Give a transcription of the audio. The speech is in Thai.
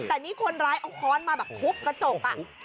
แต่นี่คนร้ายเอาค้อนมาแบบทุบกระจก